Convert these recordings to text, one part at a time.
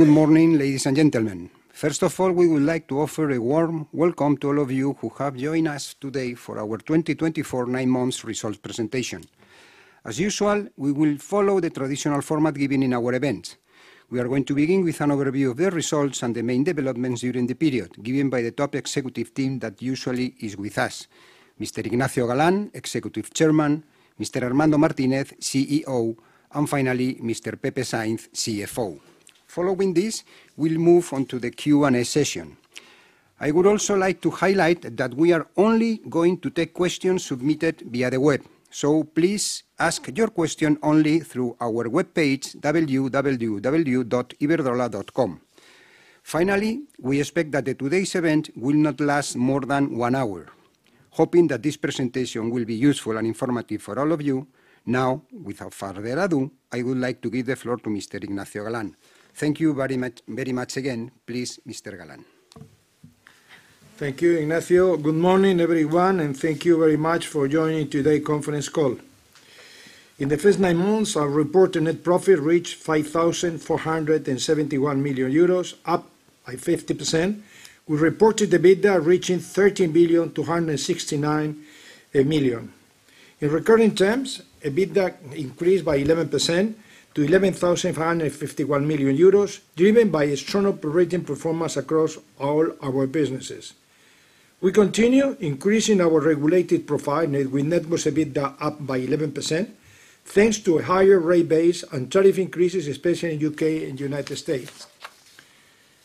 Good morning, ladies and gentlemen. First of all, we would like to offer a warm welcome to all of you who have joined us today for our 2024 nine months results presentation. As usual, we will follow the traditional format given in our events. We are going to begin with an overview of the results and the main developments during the period, given by the top executive team that usually is with us: Mr. Ignacio Galán, Executive Chairman, Mr. Armando Martínez, CEO, and finally, Mr. Pepe Sainz, CFO. Following this, we'll move on to the Q&A session. I would also like to highlight that we are only going to take questions submitted via the web, so please ask your question only through our webpage, www.iberdrola.com. Finally, we expect that today's event will not last more than one hour. Hoping that this presentation will be useful and informative for all of you, now, without further ado, I would like to give the floor to Mr. Ignacio Galán. Thank you very much, very much again. Please, Mr. Galán. Thank you, Ignacio. Good morning, everyone, and thank you very much for joining today's conference call. In the first nine months, our reported net profit reached 5,471 million euros, up by 50%, with reported EBITDA reaching 13,269 million. In recurring terms, EBITDA increased by 11% to 11,551 million euros, driven by a strong operating performance across all our businesses. We continue increasing our regulated profile, with networks EBITDA up by 11%, thanks to a higher rate base and tariff increases, especially in UK and United States.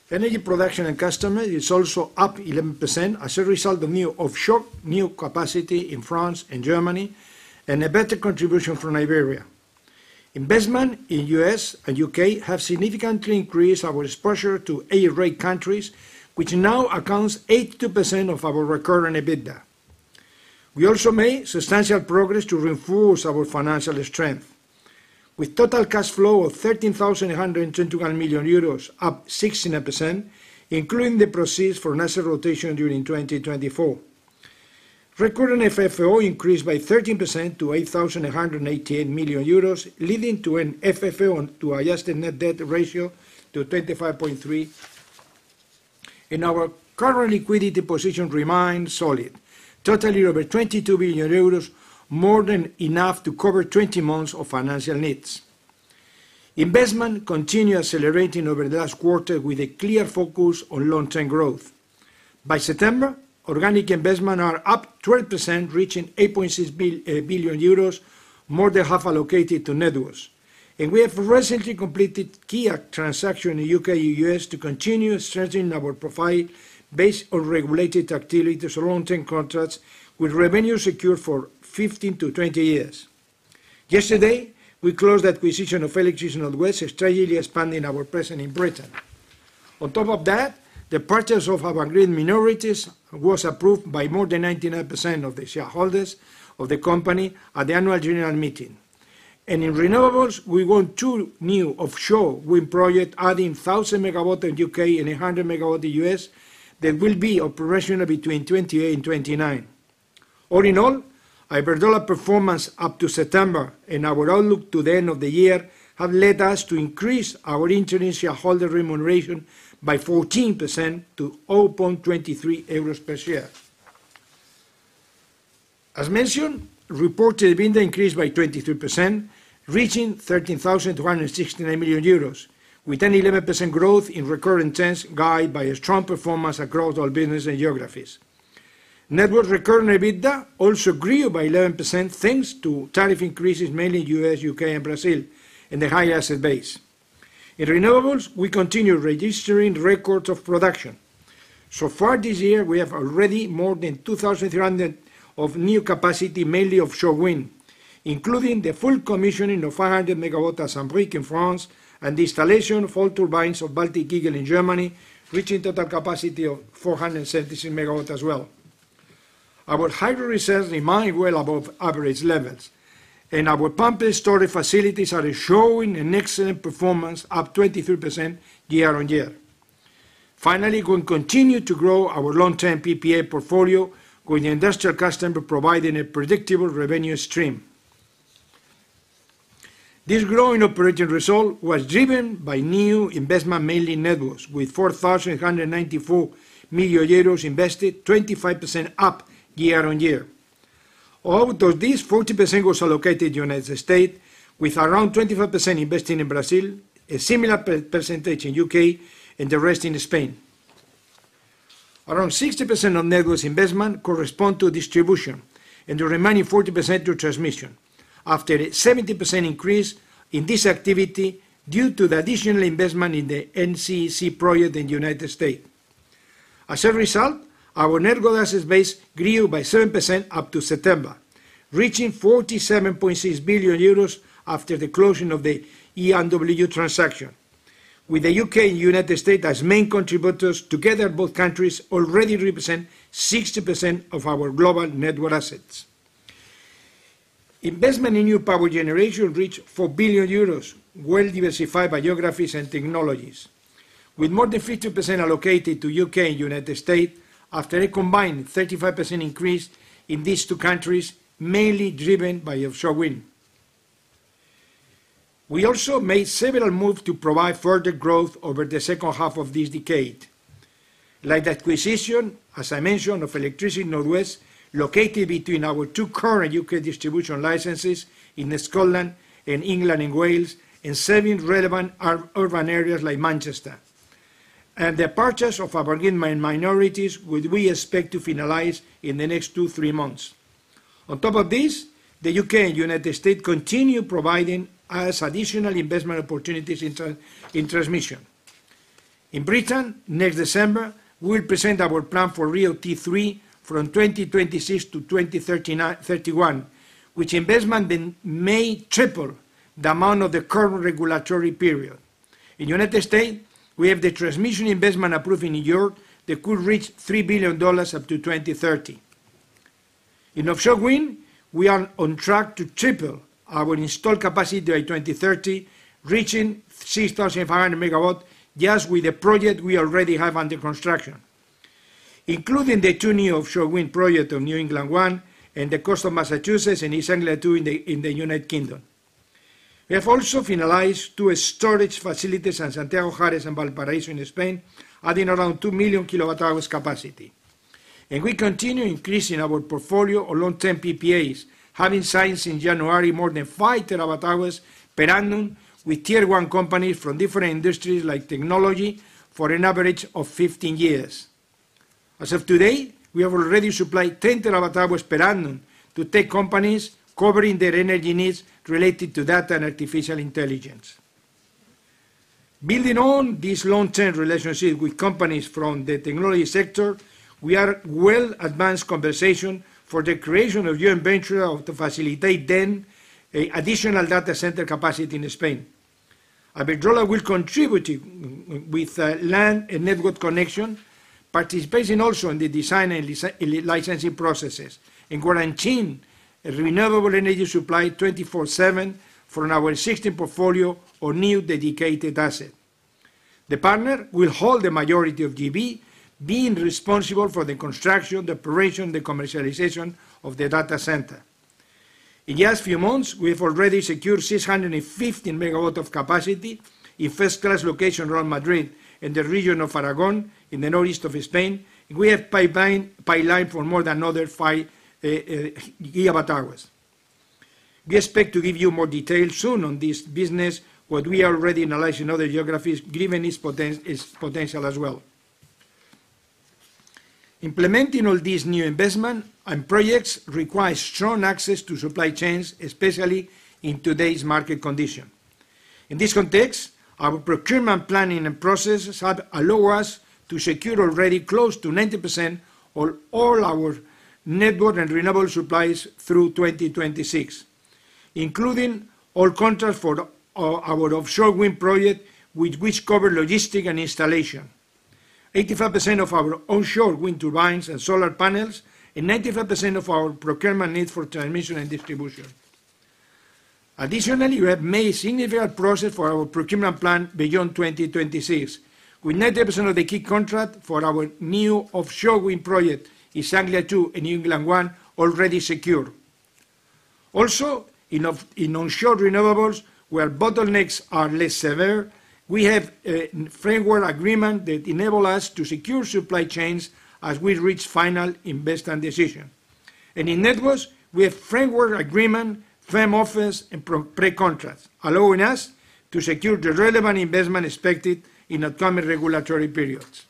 Energy production and customer is also up 11% as a result of new offshore, new capacity in France and Germany, and a better contribution from Iberia. Investment in U.S. and U.K. have significantly increased our exposure to A-rate countries, which now accounts 82% of our recurring EBITDA. We also made substantial progress to reinforce our financial strength, with total cash flow of 13,121 million euros, up 16%, including the proceeds for asset rotation during 2024. Recurring FFO increased by 13% to 8,188 million euros, leading to an FFO to adjusted net debt ratio to 25.3. And our current liquidity position remains solid, totaling over 22 billion euros, more than enough to cover 20 months of financial needs. Investment continued accelerating over the last quarter with a clear focus on long-term growth. By September, organic investment are up 12%, reaching 8.6 billion euros, more than half allocated to networks. We have recently completed key transactions in the U.K., U.S. to continue strengthening our profile based on regulated activities or long-term contracts, with revenue secured for 15-20 years. Yesterday, we closed the acquisition of Electricity North West, strategically expanding our presence in Britain. On top of that, the purchase of our Avangrid minorities was approved by more than 99% of the shareholders of the company at the Annual General Meeting. In renewables, we won two new offshore wind projects, adding 1,000 megawatts in the U.K. and 800 megawatts in the U.S., that will be operational between 2028 and 2029. All in all, Iberdrola's performance up to September and our outlook to the end of the year have led us to increase our interim shareholder remuneration by 14% to 0.23 euros per share. As mentioned, reported EBITDA increased by 23%, reaching 13,269 million euros, with an 11% growth in recurring terms, guided by a strong performance across all business and geographies. Network recurring EBITDA also grew by 11%, thanks to tariff increases, mainly U.S., U.K., and Brazil, and the high asset base. In renewables, we continue registering records of production. So far this year, we have already more than 2,300 of new capacity, mainly offshore wind, including the full commissioning of 500 megawatt at Saint-Brieuc in France and the installation of all turbines of Baltic Eagle in Germany, reaching total capacity of 476 megawatt as well. Our hydro reserves remain well above average levels, and our pumped storage facilities are showing an excellent performance, up 23% year on year. Finally, we continue to grow our long-term PPA portfolio with industrial customer, providing a predictable revenue stream. This growing operating result was driven by new investment, mainly networks, with 4,194 million euros invested, 25% up year on year. Out of this, 40% was allocated United States, with around 25% investing in Brazil, a similar percentage in UK, and the rest in Spain. Around 60% of networks investment correspond to distribution and the remaining 40% to transmission, after a 70% increase in this activity due to the additional investment in the NECEC project in the United States. As a result, our network assets base grew by 7% up to September, reaching EURO 47.6 billion after the closing of the ENW transaction. With the U.K. and United States as main contributors, together, both countries already represent 60% of our global network assets. Investment in new power generation reached 4 billion euros, well diversified by geographies and technologies, with more than 50% allocated to U.K. and United States after a combined 35% increase in these two countries, mainly driven by offshore wind. We also made several moves to provide further growth over the H1 of this decade. Like the acquisition, as I mentioned, of Electricity North West, located between our two current U.K. distribution licenses in Scotland and England and Wales, and serving relevant urban areas like Manchester. And the purchase of Avangrid minorities, which we expect to finalize in the next two, three months. On top of this, the U.K. and United States continue providing us additional investment opportunities in transmission. In Britain, next December, we'll present our plan for RIIO-T3 from 2026 to 2031, which investment then may triple the amount of the current regulatory period. In United States, we have the transmission investment approved in New York that could reach $3 billion up to 2030. In offshore wind, we are on track to triple our installed capacity by 2030, reaching 6,500 megawatts, just with the projects we already have under construction, including the two new offshore wind projects of New England One and the coast of Massachusetts, and East Anglia Two in the United Kingdom. We have also finalized two storage facilities at Santiago, Jares, and Valparaiso in Spain, adding around 2 million kilowatt-hours capacity. We continue increasing our portfolio of long-term PPAs, having signed since January more than five terawatt hours per annum with tier one companies from different industries like technology, for an average of 15 years. As of today, we have already supplied 10 terawatt hours per annum to tech companies, covering their energy needs related to data and artificial intelligence. Building on these long-term relationships with companies from the technology sector, we are well advanced conversation for the creation of a joint venture to facilitate an additional data center capacity in Spain. Iberdrola will contribute it with land and network connection, participating also in the design and licensing processes, and guaranteeing a renewable energy supply 24/7 from our existing portfolio or new dedicated asset. The partner will hold the majority of JV, being responsible for the construction, the operation, the commercialization of the data center. In just few months, we have already secured 615 megawatts of capacity in first-class locations around Madrid and the region of Aragón, in the northeast of Spain. We have pipeline for more than another 5 gigawatt hours. We expect to give you more detail soon on this business, what we already analyzed in other geographies, given its potential as well. Implementing all these new investments and projects requires strong access to supply chains, especially in today's market condition. In this context, our procurement planning and processes have allowed us to secure already close to 90% on all our network and renewable supplies through 2026, including all contracts for our offshore wind projects, which cover logistics and installation. 85% of our onshore wind turbines and solar panels, and 95% of our procurement needs for transmission and distribution. Additionally, we have made significant progress for our procurement plan beyond 2026, with 90% of the key contract for our new offshore wind project, East Anglia Two and New England One, already secure. Also, in onshore renewables, where bottlenecks are less severe, we have framework agreement that enable us to secure supply chains as we reach final investment decision. And in networks, we have framework agreement, frame offers, and pre-contracts, allowing us to secure the relevant investment expected in upcoming regulatory periods.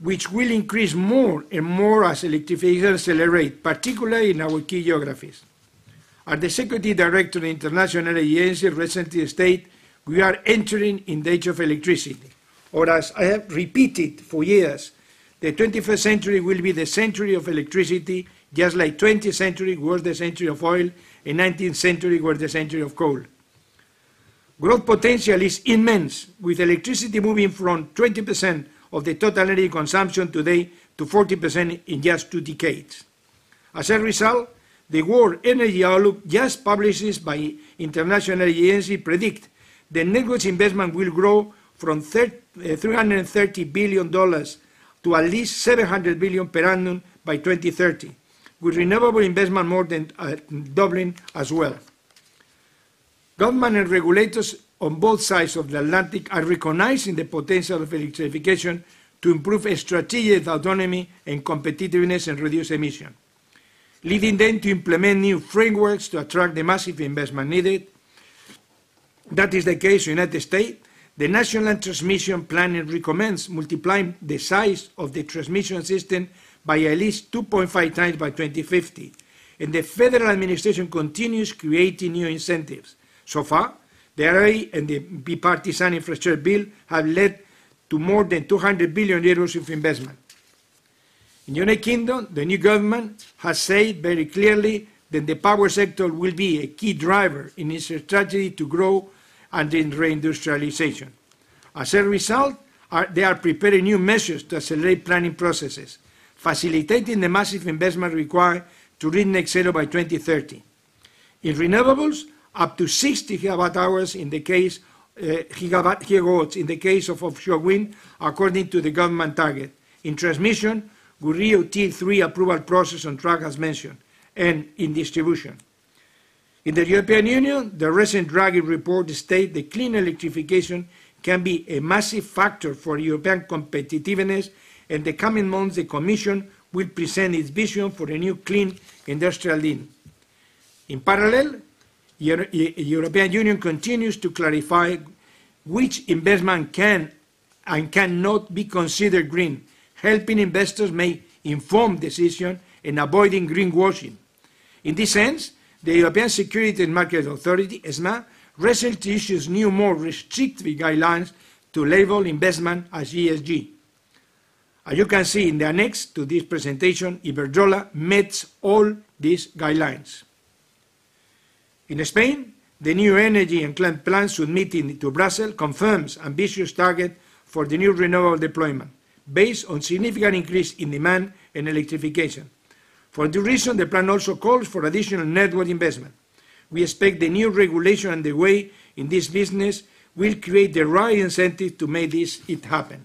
Which will increase more and more as electrification accelerate, particularly in our key geographies. As the secretary-director of the International Energy Agency recently stated, "We are entering in the age of electricity," or as I have repeated for years, "The 21st century will be the century of electricity, just like twentieth century was the century of oil, and nineteenth century was the century of coal." Growth potential is immense, with electricity moving from 20% of the total energy consumption today to 40% in just two decades. As a result, the World Energy Outlook, just published by International Energy Agency, predict the networks investment will grow from $330 billion to at least $700 billion per annum by 2030, with renewable investment more than doubling as well. Government and regulators on both sides of the Atlantic are recognizing the potential of electrification to improve strategic autonomy and competitiveness, and reduce emissions, leading them to implement new frameworks to attract the massive investment needed. That is the case in the United States. The National Transmission Planning recommends multiplying the size of the transmission system by at least 2.5 times by 2050, and the federal administration continues creating new incentives. So far, the IRA and the Bipartisan Infrastructure Bill have led to more than 200 billion euros of investment. In the United Kingdom, the new government has said very clearly that the power sector will be a key driver in its strategy to grow and in reindustrialization. As a result, they are preparing new measures to accelerate planning processes, facilitating the massive investment required to reach Net Zero by 2030. In renewables, up to 60 gigawatts in the case of offshore wind, according to the government target. In transmission, RIIO-T3 approval process on track, as mentioned, and in distribution. In the European Union, the recent Draghi Report states that clean electrification can be a massive factor for European competitiveness. In the coming months, the commission will present its vision for a new Clean Industrial Deal. In parallel, European Union continues to clarify which investment can and cannot be considered green, helping investors make informed decisions in avoiding greenwashing. In this sense, the European Securities and Markets Authority, ESMA, recently issued new, more restrictive guidelines to label investment as ESG. As you can see in the annex to this presentation, Iberdrola meets all these guidelines. In Spain, the new energy and climate plans submitted to Brussels confirm ambitious targets for the new renewable deployment, based on significant increase in demand and electrification. For that reason, the plan also calls for additional network investment. We expect the new regulation and the way we invest in this business will create the right incentives to make this happen.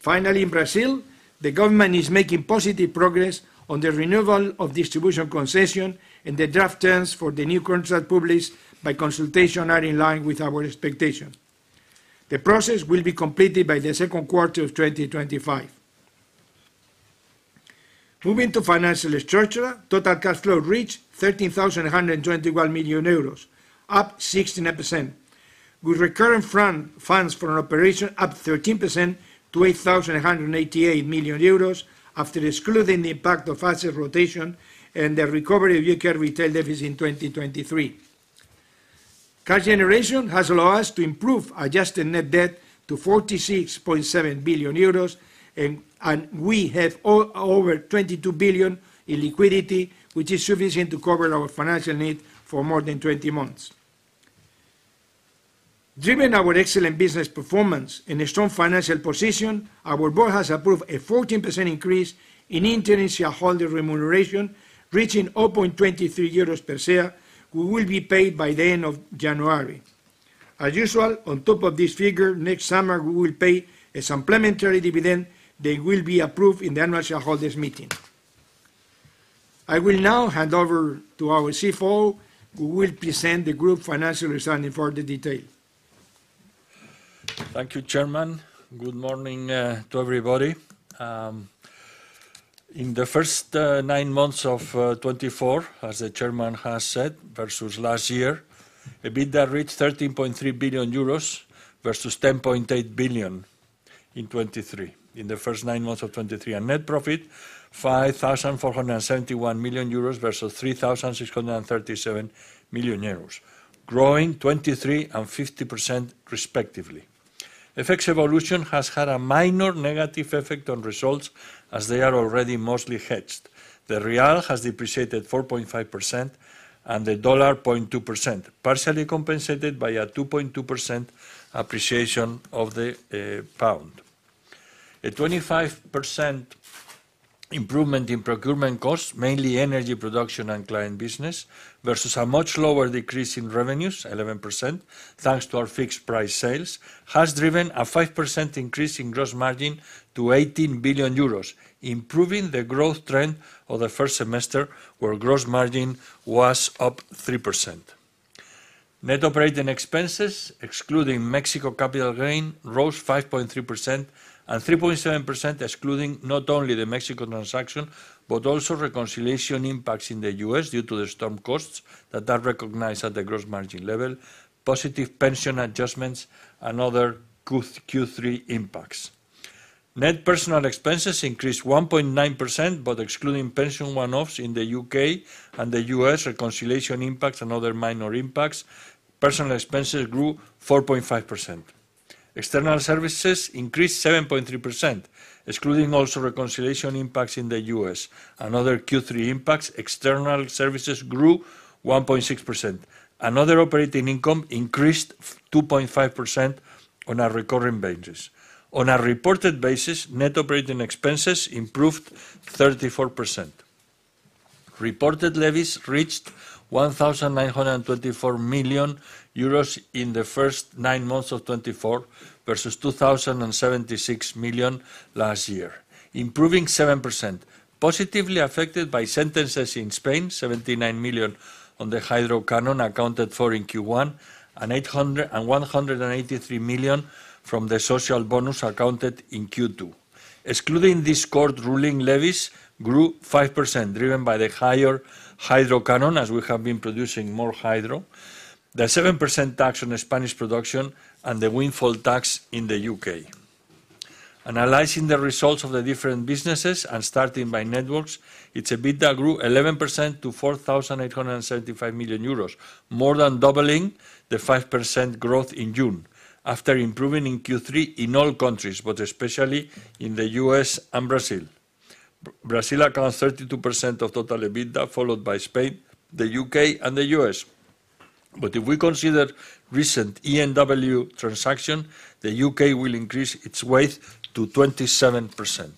Finally, in Brazil, the government is making positive progress on the renewal of distribution concession, and the draft terms for the new contract published for consultation are in line with our expectations. The process will be completed by the Q2 of 2025. Moving to financial structure, total cash flow reached 13,121 million euros, up 16%, with recurrent funds from operations up 13% to 8,188 million euros, after excluding the impact of asset rotation and the recovery of U.K. retail deficit in 2023. Cash generation has allowed us to improve adjusted net debt to 46.7 billion euros, and we have over 22 billion in liquidity, which is sufficient to cover our financial needs for more than 20 months. Driven our excellent business performance and a strong financial position, our board has approved a 14% increase in interim shareholder remuneration, reaching 0.23 euros per share, who will be paid by the end of January. As usual, on top of this figure, next summer, we will pay a supplementary dividend that will be approved in the Annual Shareholders' Meeting. I will now hand over to our CFO, who will present the group financial results in further detail. Thank you, Chairman. Good morning to everybody. In the first nine months of 2024, as the Chairman has said, versus last year, EBITDA reached 13.3 billion euros versus 10.8 billion in 2023, in the first nine months of 2023, net profit 5,471 million euros versus 3,637 million euros, growing 23% and 50% respectively. FX evolution has had a minor negative effect on results, as they are already mostly hedged. The real has depreciated 4.5% and the dollar 0.2%, partially compensated by a 2.2% appreciation of the pound. A 25% improvement in procurement costs, mainly energy production and client business, versus a much lower decrease in revenues, 11%, thanks to our fixed-price sales, has driven a 5% increase in gross margin to 18 billion euros, improving the growth trend of the first semester, where gross margin was up 3%. Net operating expenses, excluding Mexico capital gain, rose 5.3% and 3.7%, excluding not only the Mexico transaction, but also reconciliation impacts in the U.S. due to the storm costs that are recognized at the gross margin level, positive pension adjustments, and other good Q3 impacts. Net personal expenses increased 1.9%, but excluding pension one-offs in the U.K. and the U.S. reconciliation impacts and other minor impacts, personal expenses grew 4.5%. External services increased 7.3%, excluding also reconciliation impacts in the U.S. and other Q3 impacts. External services grew 1.6%. Other operating income increased two point five percent on a recurring basis. On a reported basis, net operating expenses improved 34%. Reported levies reached 1,924 million euros in the first nine months of 2024, versus 2,076 million last year, improving 7%, positively affected by sentences in Spain, 79 million on the Hydro Canon, accounted for in Q1, and EUR 800 and 183 million from the Social Bonus accounted in Q2. Excluding this court ruling, levies grew 5%, driven by the higher Hydro Canon, as we have been producing more hydro, the 7% tax on the Spanish production, and the Windfall Tax in the U.K. Analyzing the results of the different businesses and starting by networks, its EBITDA grew 11% to 4,875 million euros, more than doubling the 5% growth in June, after improving in Q3 in all countries, but especially in the U.S. and Brazil. Brazil accounts 32% of total EBITDA, followed by Spain, the U.K., and the U.S. But if we consider recent ENW transaction, the U.K. will increase its weight to 27%....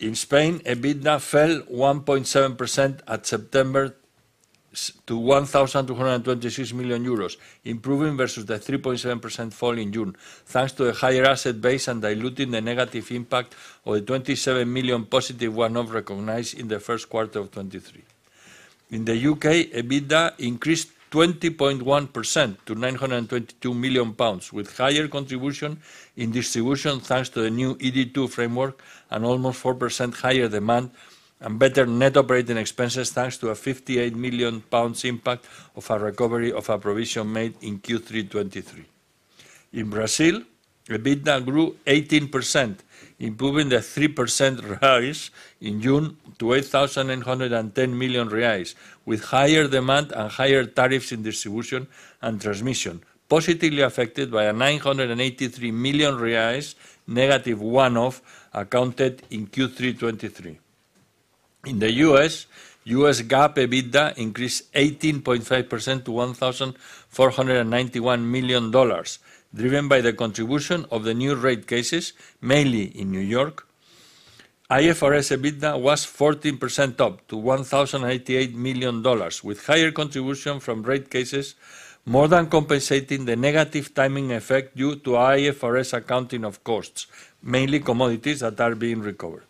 In Spain, EBITDA fell 1.7% at September to 1,226 million euros, improving versus the 3.7% fall in June, thanks to a higher asset base and diluting the negative impact of the 27 million positive one-off recognized in the Q1 of 2023. In the UK, EBITDA increased 20.1% to 922 million pounds, with higher contribution in distribution, thanks to the new ED2 framework and almost 4% higher demand, and better net operating expenses, thanks to a 58 million pounds impact of a recovery of a provision made in Q3 2023. In Brazil, EBITDA grew 18%, improving the 3% rise in June to 8,110 million reais, with higher demand and higher tariffs in distribution and transmission, positively affected by a 983 million reais negative one-off accounted in Q3 2023. In the US, US GAAP EBITDA increased 18.5% to $1,491 million, driven by the contribution of the new rate cases, mainly in New York. IFRS EBITDA was 14% up to $1,088 million, with higher contribution from rate cases, more than compensating the negative timing effect due to IFRS accounting of costs, mainly commodities that are being recovered.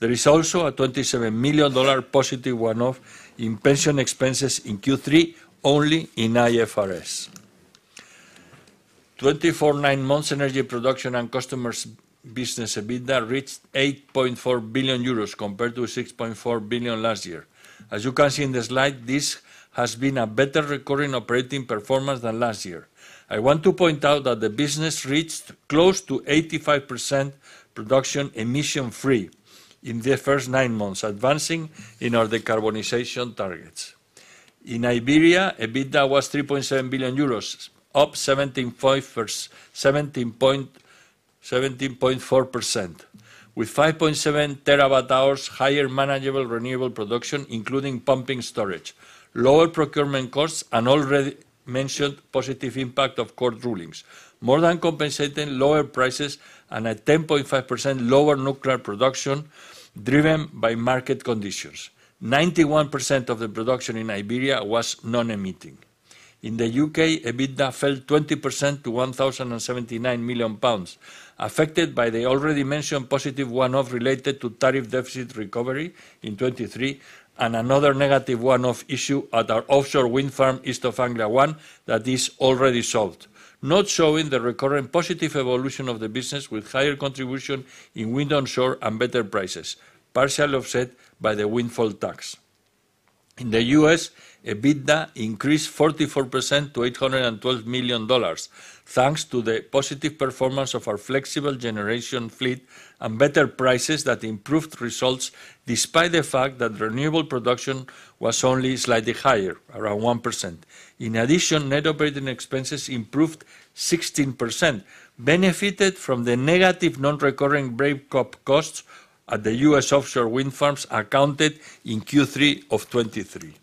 There is also a $27 million positive one-off in pension expenses in Q3, only in IFRS. 2024 nine months Energy Production and Customers business EBITDA reached 8.4 billion euros, compared to 6.4 billion last year. As you can see in the slide, this has been a better recurring operating performance than last year. I want to point out that the business reached close to 85% production emission-free in the first nine months, advancing in our decarbonization targets. In Iberia, EBITDA was 3.7 billion euros, up 17.4%, with 5.7 terawatt-hours higher manageable renewable production, including pumped storage, lower procurement costs, and already mentioned positive impact of court rulings, more than compensating lower prices and a 10.5% lower nuclear production, driven by market conditions. 91% of the production in Iberia was non-emitting. In the UK, EBITDA fell 20% to 1,079 million pounds, affected by the already mentioned positive one-off related to tariff deficit recovery in 2023, and another negative one-off issue at our offshore wind farm, East Anglia One, that is already solved, not showing the recurring positive evolution of the business, with higher contribution in wind onshore and better prices, partially offset by the windfall tax. In the US, EBITDA increased 44% to $812 million, thanks to the positive performance of our flexible generation fleet and better prices that improved results, despite the fact that renewable production was only slightly higher, around 1%. In addition, net operating expenses improved 16%, benefited from the negative non-recurring break-up costs at the US offshore wind farms accounted in Q3 of 2023.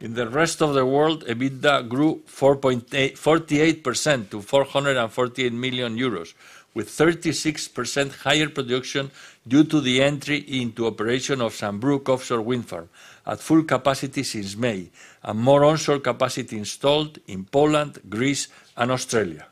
In the rest of the world, EBITDA grew 48% to 448 million euros, with 36% higher production due to the entry into operation of Saint-Brieuc offshore wind farm at full capacity since May, and more onshore capacity installed in Poland, Greece, and Australia.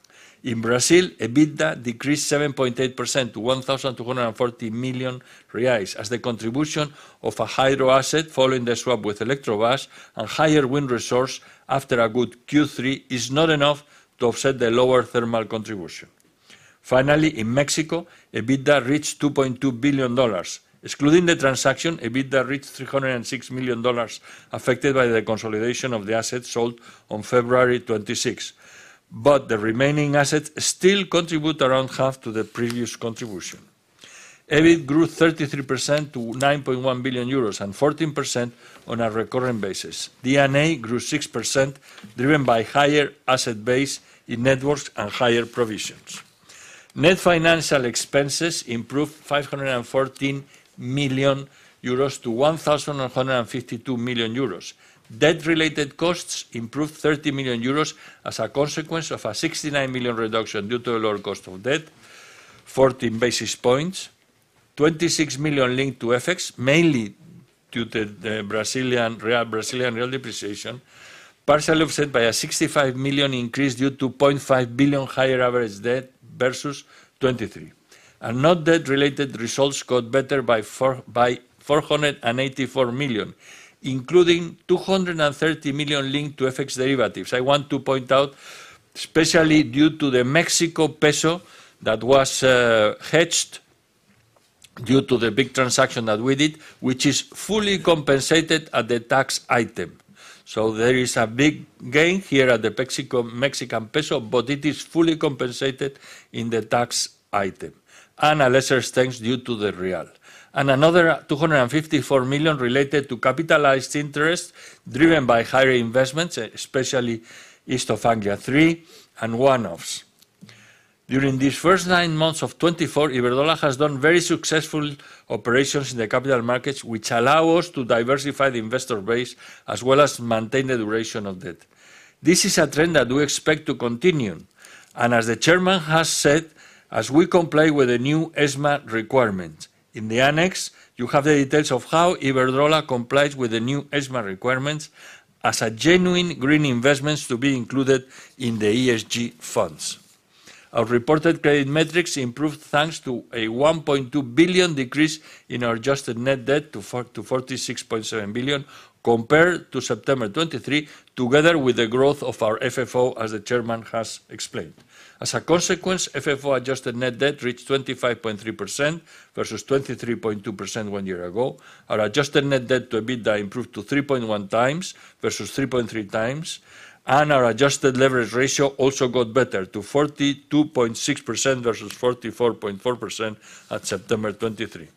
In Brazil, EBITDA decreased 7.8% to 1,240 million reais, as the contribution of a hydro asset following the swap with Eletrobras and higher wind resource after a good Q3 is not enough to offset the lower thermal contribution. Finally, in Mexico, EBITDA reached $2.2 billion. Excluding the transaction, EBITDA reached $306 million, affected by the consolidation of the assets sold on February 26, but the remaining assets still contribute around half to the previous contribution. EBIT grew 33% to 9.1 billion euros and 14% on a recurring basis. EBITDA grew 6%, driven by higher asset base in networks and higher provisions. Net financial expenses improved 514 million euros to 1,152 million euros. Debt-related costs improved 30 million euros as a consequence of a 69 million reduction due to a lower cost of debt, fourteen basis points, 26 million linked to FX, mainly due to the Brazilian real depreciation, partially offset by a 65 million increase due to 0.5 billion higher average debt versus 2023. Non-debt related results got better by 484 million, including 230 million linked to FX derivatives. I want to point out, especially due to the Mexican peso that was hedged due to the big transaction that we did, which is fully compensated at the tax item. So there is a big gain here at the Mexican peso, but it is fully compensated in the tax item, and to a lesser extent due to the real. And another 254 million related to capitalized interest, driven by higher investments, especially East Anglia Three and one-offs. During these first nine months of 2024, Iberdrola has done very successful operations in the capital markets, which allow us to diversify the investor base, as well as maintain the duration of debt. This is a trend that we expect to continue, and as the chairman has said, as we comply with the new ESMA requirements. In the annex, you have the details of how Iberdrola complies with the new ESMA requirements as a genuine green investments to be included in the ESG funds. Our reported credit metrics improved, thanks to a 1.2 billion decrease in our adjusted net debt to 46.7 billion, compared to September 2023, together with the growth of our FFO, as the chairman has explained. As a consequence, FFO adjusted net debt reached 25.3% versus 23.2% one year ago. Our adjusted net debt to EBITDA improved to 3.1 times versus 3.3 times, and our adjusted leverage ratio also got better to 42.6% versus 44.4% at September 2023.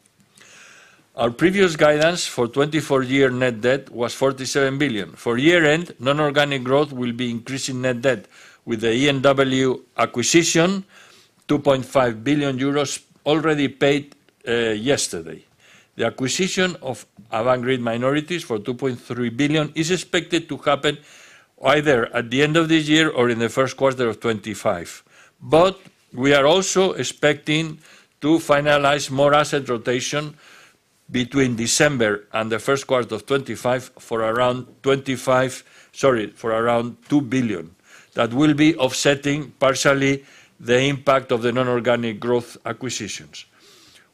Our previous guidance for 2024 year net debt was EURO 47 billion. For year-end, non-organic growth will be increasing net debt with the ENW acquisition, EURO 2.5 billion euros already paid, yesterday. The acquisition of Avangrid minorities for EURO 2.3 billion is expected to happen either at the end of this year or in the Q1 of 2025. But we are also expecting to finalize more asset rotation between December and the Q1 of 2025 for around 2025... Sorry, for around EURO 2 billion. That will be offsetting partially the impact of the non-organic growth acquisitions.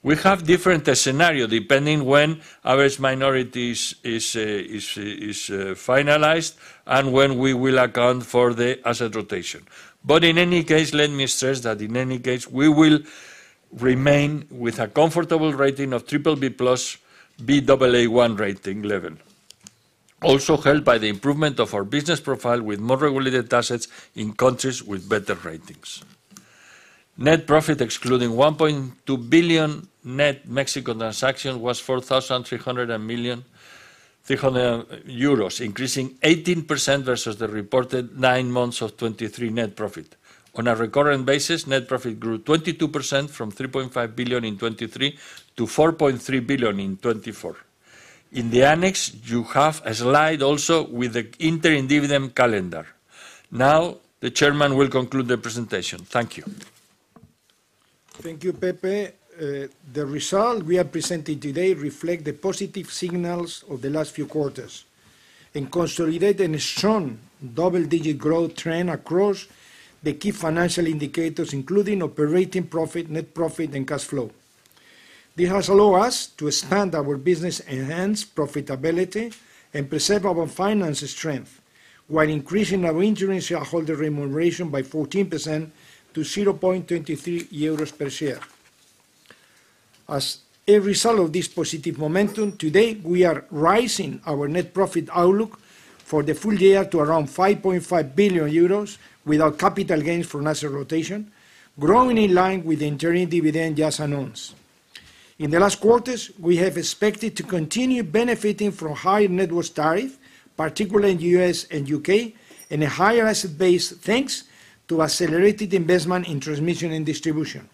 We have different scenario, depending when Avangrid's minorities is finalized and when we will account for the asset rotation. But in any case, let me stress that in any case, we will remain with a comfortable rating of triple B plus, Baa1 rating level. Also, helped by the improvement of our business profile with more regulated assets in countries with better ratings. Net profit, excluding 1.2 billion net Mexico transaction, was 4.3 billion euros, increasing 18% versus the reported nine months of 2023 net profit. On a recurrent basis, net profit grew 22% from 3.5 billion in 2023 to 4.3 billion in 2024. In the annex, you have a slide also with the interim dividend calendar. Now, the chairman will conclude the presentation. Thank you. Thank you, Pepe. The results we are presenting today reflect the positive signals of the last few quarters and consolidate a strong double-digit growth trend across the key financial indicators, including operating profit, net profit, and cash flow. This has allowed us to expand our business, enhance profitability, and preserve our financial strength, while increasing our interim shareholder remuneration by 14% to 0.23 euros per share. As a result of this positive momentum, today, we are raising our net profit outlook for the full year to around 5.5 billion euros, without capital gains from asset rotation, growing in line with the interim dividend just announced. In the last quarters, we have expected to continue benefiting from higher network tariff, particularly in the U.S. and U.K., and a higher asset base, thanks to accelerated investment in transmission and distribution,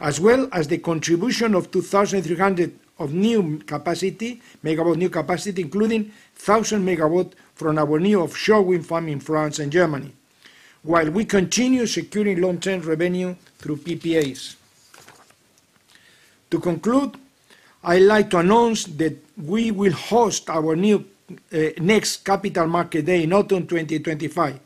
as well as the contribution of 2,300 MW of new capacity, including 1,000 MW from our new offshore wind farm in France and Germany, while we continue securing long-term revenue through PPAs. To conclude, I'd like to announce that we will host our next Capital Market Day in autumn 2025.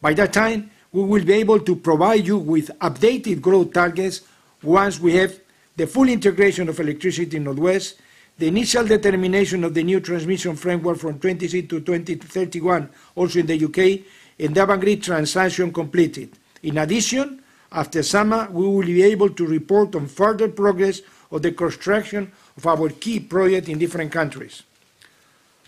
By that time, we will be able to provide you with updated growth targets once we have the full integration of Electricity North West, the initial determination of the new transmission framework from 2026 to 2031, also in the U.K., and the Avangrid transaction completed. In addition, after summer, we will be able to report on further progress of the construction of our key project in different countries.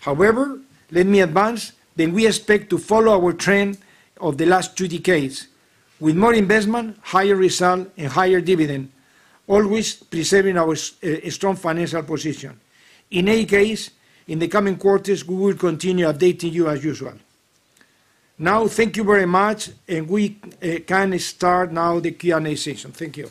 However, let me advance that we expect to follow our trend of the last two decades with more investment, higher return, and higher dividend, always preserving our strong financial position. In any case, in the coming quarters, we will continue updating you as usual. Now, thank you very much, and we can start now the Q&A session. Thank you.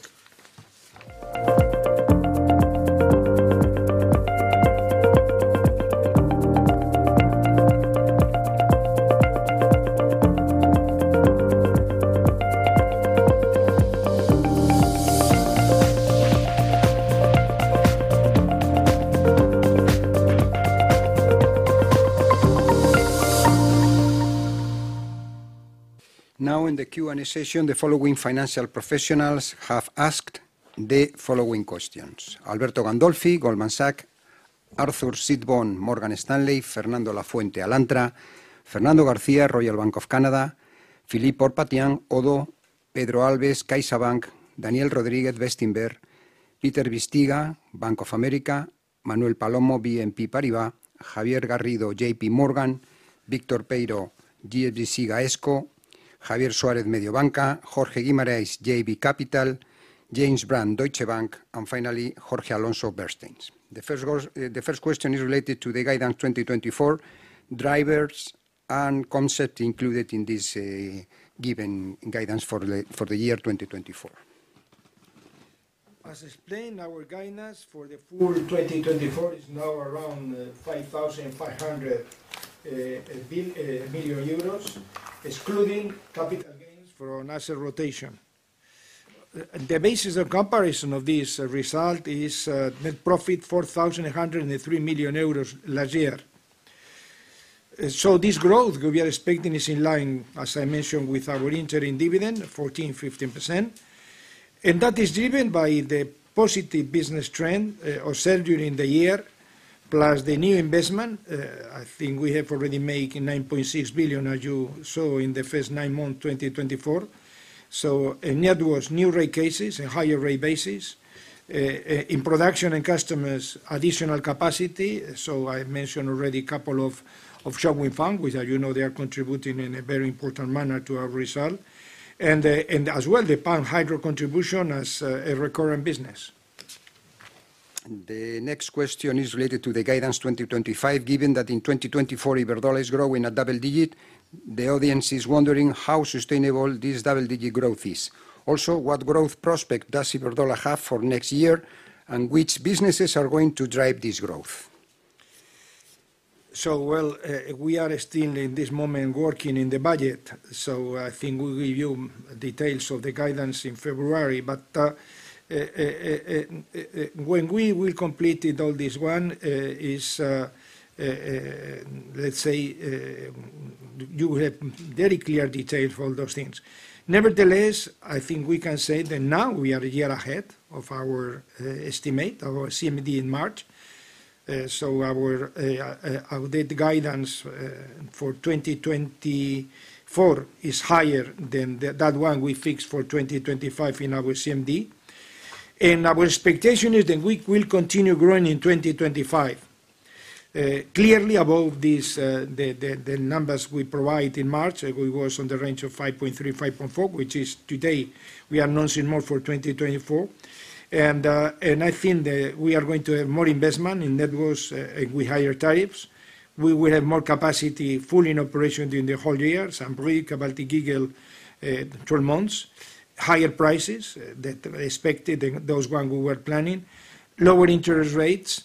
Now, in the Q&A session, the following financial professionals have asked the following questions: Alberto Gandolfi, Goldman Sachs, Arthur Sitbon, Morgan Stanley, Fernando Lafuente, Alantra, Fernando García, Royal Bank of Canada, Philippe Ourpatian, ODDO BHF, Pedro Alves, CaixaBank, Daniel Rodríguez, Bestinver, Peter Bisztyga, Bank of America, Manuel Palomo, BNP Paribas, Javier Garrido, JP Morgan, Víctor Peiró, GVC Gaesco, Javier Suarez, Mediobanca, Jorge Guimarães, JB Capital Markets, James Brand, Deutsche Bank, and finally, Jorge Alonso, Bernstein. The first question is related to the guidance 2024 drivers and concept included in this given guidance for the year 2024. As explained, our guidance for the full 2024 is now around 5,500 million euros, excluding capital gains for our asset rotation. The basis of comparison of this result is net profit 4,103 million euros last year. So this growth we are expecting is in line, as I mentioned, with our interim dividend 14-15%, and that is driven by the positive business trend or sale during the year, plus the new investment. I think we have already made 9.6 billion, as you saw in the first nine months, 2024. So in networks, new rate cases and higher rate base. In production and customers, additional capacity, so I mentioned already a couple of shops we found, which, as you know, they are contributing in a very important manner to our result, and as well, the pumped hydro contribution as a recurring business. The next question is related to the guidance 2025. Given that in 2024, Iberdrola is growing at double-digit, the audience is wondering how sustainable this double-digit growth is. Also, what growth prospect does Iberdrola have for next year, and which businesses are going to drive this growth? So, well, we are still, in this moment, working in the budget, so I think we'll give you details of the guidance in February. But, when we will completed all this one, is, let's say, you will have very clear details for all those things. Nevertheless, I think we can say that now we are a year ahead of our estimate, our CMD in March. So our updated guidance for 2024 is higher than that one we fixed for 2025 in our CMD. And our expectation is that we will continue growing in 2025, clearly above these, the numbers we provide in March. It was on the range of 5.3-5.4, which is today we are announcing more for 2024. I think that we are going to have more investment in networks with higher tariffs. We will have more capacity fully in operation during the whole year, Saint-Brieuc, Baltic Eagle, three months. Higher prices than expected, than those one we were planning. Lower interest rates.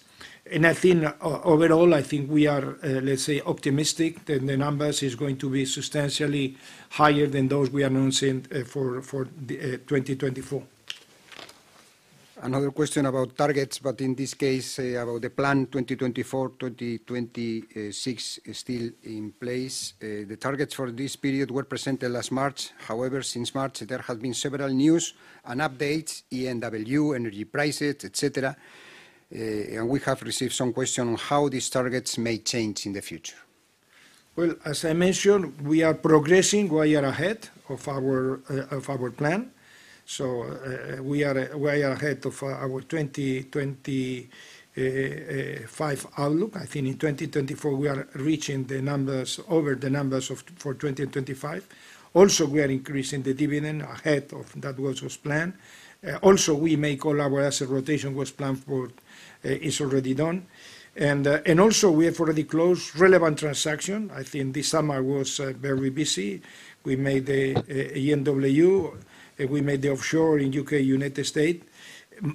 And I think overall, I think we are, let's say, optimistic that the numbers is going to be substantially higher than those we are announcing for 2024. Another question about targets, but in this case, about the plan 2024 to 2026 is still in place. The targets for this period were presented last March. However, since March, there have been several news and updates, ENW, energy prices, et cetera, and we have received some question on how these targets may change in the future. As I mentioned, we are progressing way ahead of our plan. We are way ahead of our 2025 outlook. I think in 2024, we are reaching the numbers, over the numbers for 2025. Also, we are increasing the dividend ahead of that was planned. Also, we make all our asset rotation was planned for is already done. And also, we have already closed relevant transaction. I think this summer was very busy. We made a ENW, and we made the offshore in U.K., United States.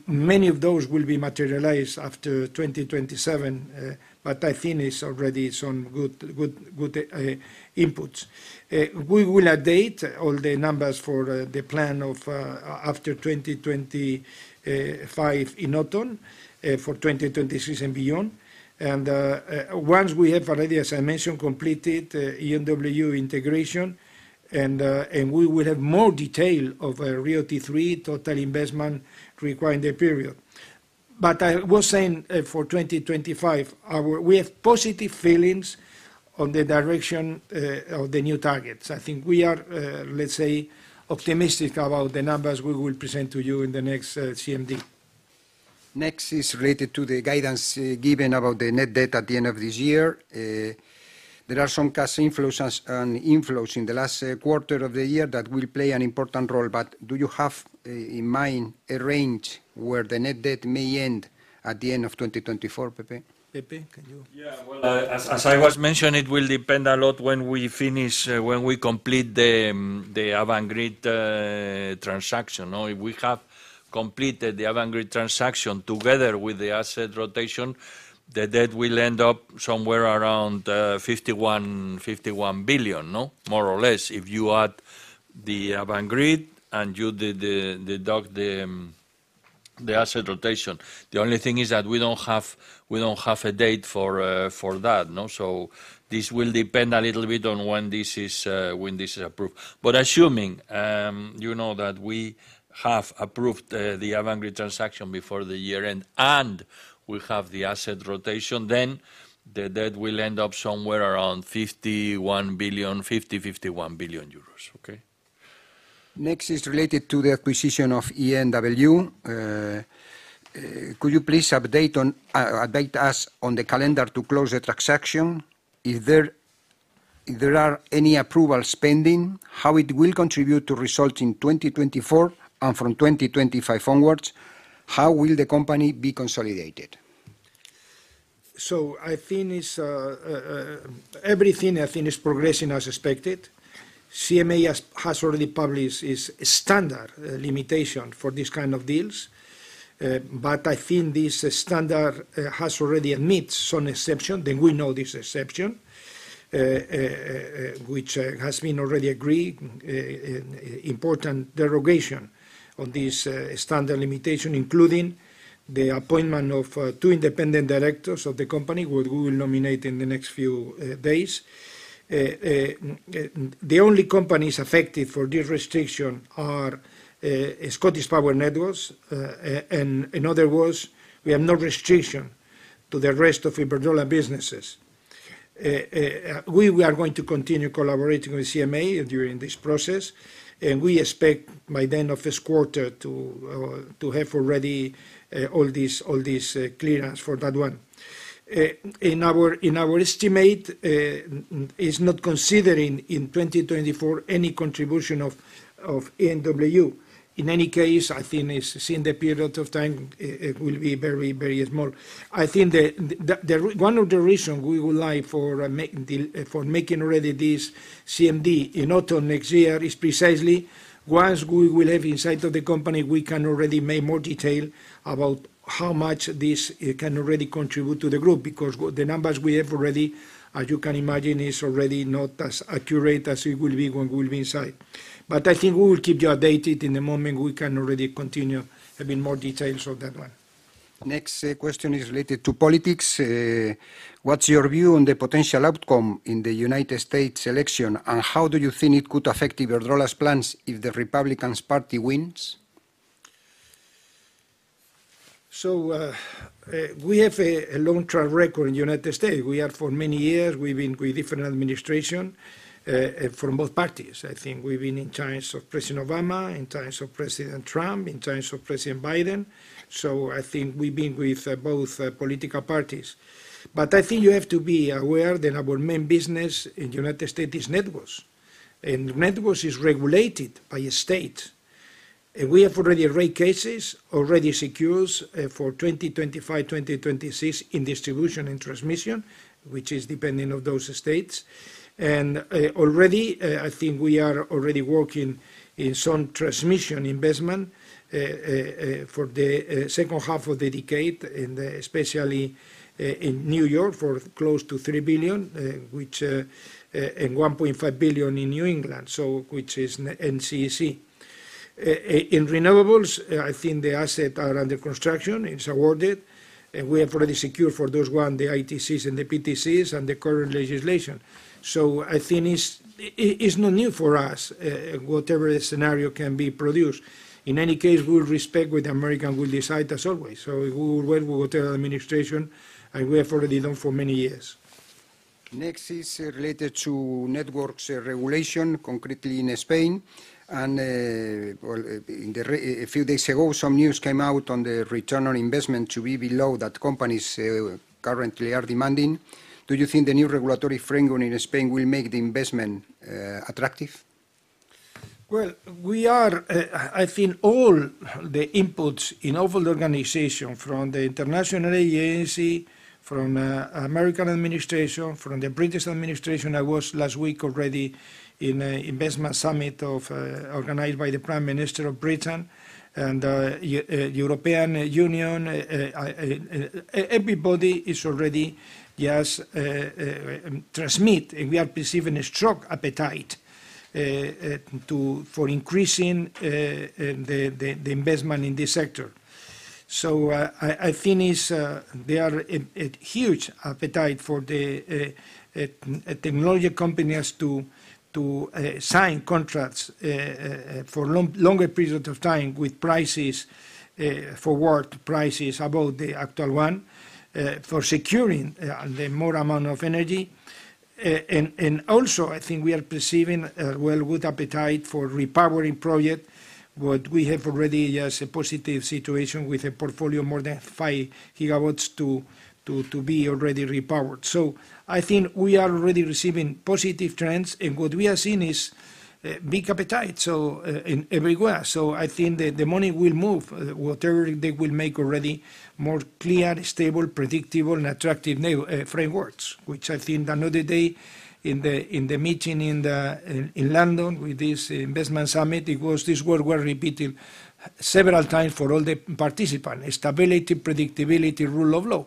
Many of those will be materialized after 2027, but I think it's already some good inputs. We will update all the numbers for the plan after 2025 in autumn for 2026 and beyond. Once we have already, as I mentioned, completed ENW integration and we will have more detail of RIIO-T3 total investment required in the period. I was saying for 2025, we have positive feelings on the direction of the new targets. I think we are, let's say, optimistic about the numbers we will present to you in the next CMD. Next is related to the guidance given about the net debt at the end of this year. There are some cash inflows in the last quarter of the year that will play an important role, but do you have in mind a range where the net debt may end at the end of 2024, Pepe? Pepe, can you- Yeah. Well, as I was mentioning, it will depend a lot when we finish, when we complete the Avangrid transaction. Now, if we have completed the Avangrid transaction together with the asset rotation, the debt will end up somewhere around 51 billion, no? More or less. If you add the Avangrid, and you do the asset rotation. The only thing is that we don't have a date for that, no. So this will depend a little bit on when this is approved. But assuming, you know, that we have approved the Avangrid transaction before the year end, and we have the asset rotation, then the debt will end up somewhere around 51 billion. Okay? Next is related to the acquisition of ENW. Could you please update us on the calendar to close the transaction? If there are any approvals pending, how it will contribute to results in 2024 and from 2025 onwards, how will the company be consolidated? So I think it's everything, I think, is progressing as expected. CMA has already published its standard limitation for this kind of deals. But I think this standard has already admits some exception, and we know this exception, which has been already agreed. Important derogation of this standard limitation, including the appointment of two independent directors of the company, who we'll nominate in the next few days. The only companies affected for this restriction are Scottish Power Networks, and in other words, we have no restriction to the rest of Iberdrola businesses. We are going to continue collaborating with CMA during this process, and we expect by the end of this quarter to have already all these clearance for that one. In our estimate is not considering in 2024 any contribution of ENW. In any case, I think it's in the period of time it will be very, very small. I think the one of the reason we would like for making already this CMD in autumn next year is precisely once we will have inside of the company, we can already make more detail about how much this can already contribute to the group, because the numbers we have already, as you can imagine, is already not as accurate as it will be when we'll be inside. But I think we will keep you updated in the moment we can already continue, have in more details of that one. Next, question is related to politics. What's your view on the potential outcome in the United States election, and how do you think it could affect Iberdrola's plans if the Republican Party wins? So, we have a long-term record in the United States. We have for many years, we've been with different administration from both parties. I think we've been in times of President Obama, in times of President Trump, in times of President Biden, so I think we've been with both political parties. But I think you have to be aware that our main business in the United States is networks, and networks is regulated by a state. We have already rate cases, already secures for 2025, 2026 in distribution and transmission, which is depending on those states. Already, I think we are already working in some transmission investment for the H2 of the decade, especially in New York, for close to $3 billion and $1.5 billion in New England, so which is NECEC. In renewables, I think the assets are under construction, it's awarded, and we have already secured for those won the ITCs and the PTCs and the current legislation. I think it's not new for us, whatever scenario can be produced. In any case, we'll respect what the Americans will decide, as always. We will work with whatever administration, and we have already done for many years. Next is related to networks regulation, concretely in Spain. And, a few days ago, some news came out on the return on investment to be below that companies currently are demanding. Do you think the new regulatory framework in Spain will make the investment attractive? We are. I think all the inputs from all the organizations, from the international agency, from the American administration, from the British administration. I was last week already in an investment summit organized by the Prime Minister of Britain and European Union. Everybody is already transmitting, and we are perceiving a strong appetite for increasing the investment in this sector. So, I think it's there are a huge appetite for the technology companies to sign contracts for longer period of time with prices, forward prices above the actual one, for securing the more amount of energy. And also, I think we are perceiving, well, good appetite for repowering project, what we have already as a positive situation with a portfolio more than five gigawatts to be already repowered. So I think we are already receiving positive trends, and what we are seeing is, big appetite, so, in everywhere. So I think the money will move, whatever they will make already more clear, stable, predictable, and attractive frameworks, which I think the other day in the meeting in London with this investment summit, it was this word were repeated several times for all the participants: stability, predictability, rule of law.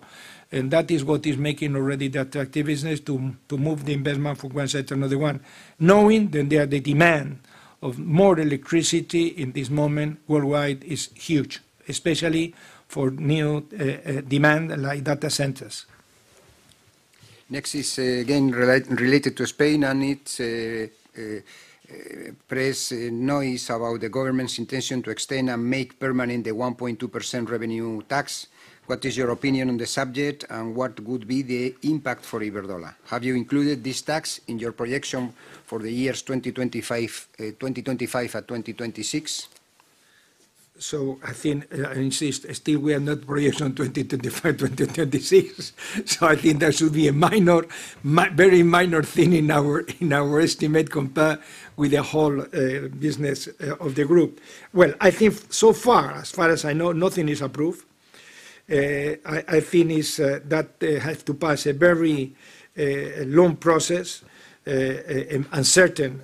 And that is what is making already the attractive business to move the investment from one side to another one, knowing that the demand of more electricity in this moment worldwide is huge, especially for new demand like data centers. Next is again related to Spain, and it's press noise about the government's intention to extend and make permanent the 1.2% revenue tax. What is your opinion on the subject, and what would be the impact for Iberdrola? Have you included this tax in your projection for the years 2025 and 2026? So I think, I insist, still we have not projection 2025, 2026. So I think that should be a minor, very minor thing in our estimate compared with the whole business of the group. Well, I think so far, as far as I know, nothing is approved. I think it is that it has to pass a very long process and uncertain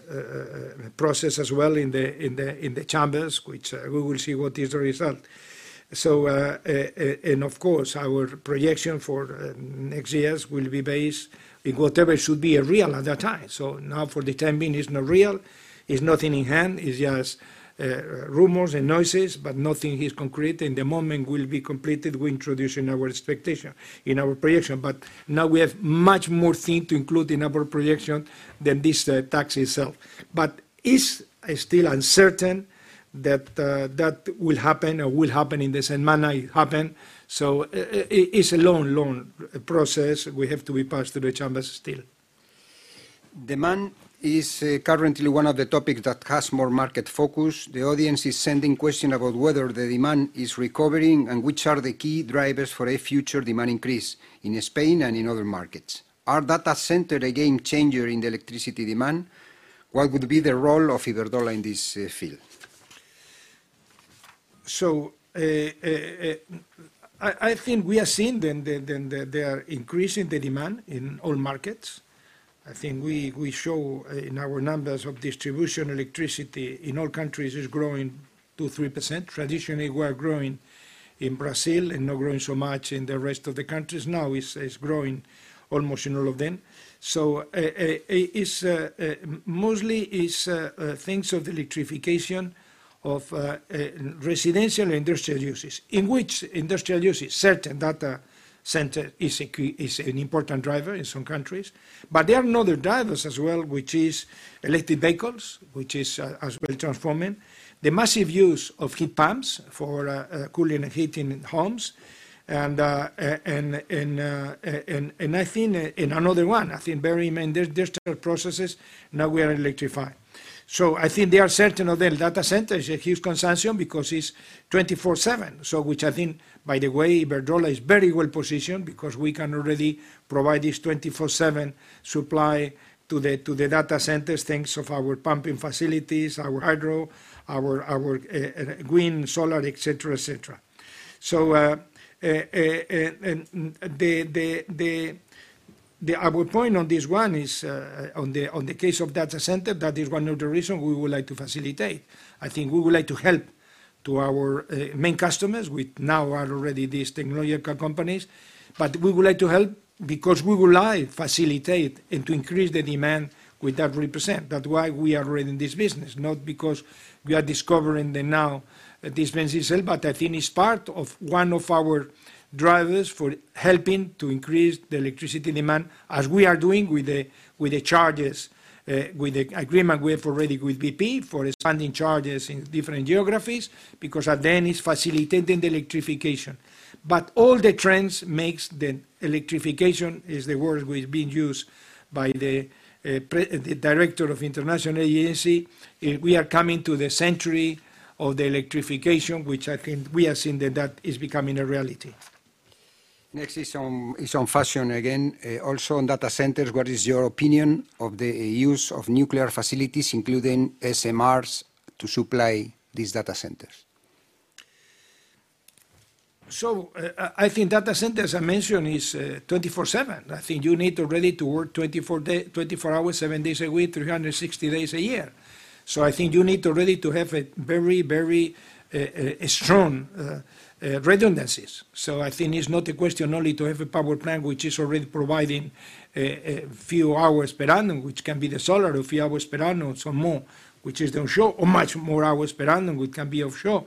process as well in the chambers, which we will see what is the result. So, and of course, our projection for next years will be based in whatever should be a real at that time. So now, for the time being, is not real, is nothing in hand. It's just rumors and noises, but nothing is concrete. In the moment it will be completed, we introduce in our expectation, in our projection. But now we have much more thing to include in our projection than this tax itself. But it's still uncertain that that will happen or will happen in the same manner it happened. So, it's a long, long process we have to be passed through the chambers still. Demand is currently one of the topics that has more market focus. The audience is sending question about whether the demand is recovering, and which are the key drivers for a future demand increase in Spain and in other markets. Are data center a game changer in the electricity demand? What would be the role of Iberdrola in this field? I think we are seeing an increase in the demand in all markets. I think we show in our numbers of distribution, electricity in all countries is growing 2-3%. Traditionally, we are growing in Brazil and not growing so much in the rest of the countries. Now, it's growing almost in all of them. It's mostly things of the electrification of residential and industrial uses, in which industrial uses, certain data center is an important driver in some countries. But there are another drivers as well, which is electric vehicles, which is as well transforming the massive use of heat pumps for cooling and heating in homes, and another one, I think very industrial processes now we are electrifying. So I think there are certain of them. Data center is a huge consumption because it's 24/7. So which I think, by the way, Iberdrola is very well positioned because we can already provide this 24/7 supply to the data centers, thanks to our pumping facilities, our hydro, our green solar, et cetera. So our point on this one is, on the case of data center, that is one of the reasons we would like to facilitate. I think we would like to help to our main customers, which now are already these technological companies. But we would like to help because we will like facilitate and to increase the demand we that represent. That's why we are already in this business, not because we are discovering them now, this business itself, but I think it's part of one of our drivers for helping to increase the electricity demand, as we are doing with the charges with the agreement we have already with BP for expanding charges in different geographies, because then it's facilitating the electrification. But all the trends makes the electrification is the word which being used by the pre the director of International Energy Agency. We are coming to the century of the electrification, which I think we have seen that that is becoming a reality. Next is on fashion again. Also on data centers, what is your opinion of the use of nuclear facilities, including SMRs, to supply these data centers? So, I think data centers, I mentioned, is 27/7. I think you need already to work 24 hours, seven days a week, three hundred and sixty days a year. So I think you need already to have a very, very strong redundancies. So I think it's not a question only to have a power plant which is already providing a few hours per annum, which can be the solar, a few hours per annum, or some more, which is the offshore, or much more hours per annum, which can be offshore.